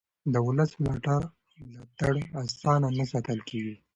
د ولس ملاتړ اسانه نه ساتل کېږي